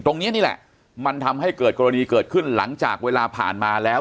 นี่แหละมันทำให้เกิดกรณีเกิดขึ้นหลังจากเวลาผ่านมาแล้ว